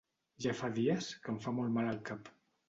Ja fa dies que em fa molt mal el cap.